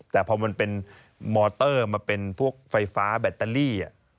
แต่พอมันเป็นมอเตอร์มาเป็นพวกไฟฟ้าแบตเตอรี่